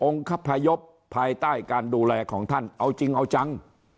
คพยพภายใต้การดูแลของท่านเอาจริงเอาจัง